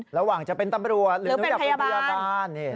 ระหว่างจะเป็นตำรวจหรือเป็นพยาบาลหรือเป็นพยาบาล